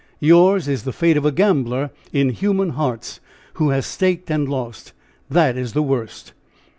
Yours is the fate of a gambler in human hearts who has staked and lost that is the worst!"